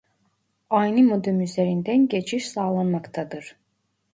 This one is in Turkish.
Aynı modem üzerinden geçiş sağlanmaktadır